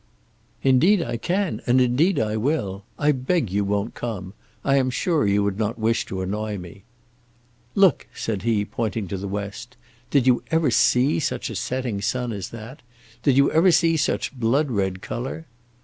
"Indeed I can, and indeed I will. I beg you won't come. I am sure you would not wish to annoy me." "Look," said he, pointing to the west; "did you ever see such a setting sun as that? Did you ever see such blood red colour?"